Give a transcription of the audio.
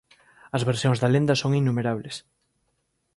As versións da lenda son innumerables.